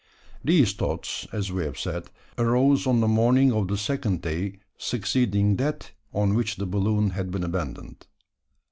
These thoughts, as we have said, arose on the morning of the second day succeeding that on which the balloon had been abandoned.